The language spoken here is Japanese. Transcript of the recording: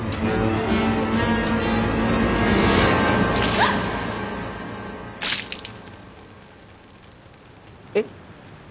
はっ！えっ？